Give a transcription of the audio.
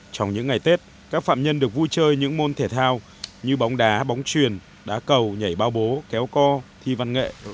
trong những ngày tết các phạm nhân được vui chơi những môn thể thao như bóng đá bóng truyền đá cầu nhảy bao bố kéo co thi văn nghệ